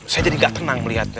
saya jadi gak tenang melihatnya